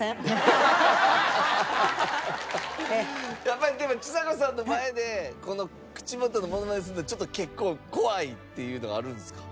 やっぱりちさ子さんの前でこの口元のモノマネするの結構怖いっていうのがあるんですか？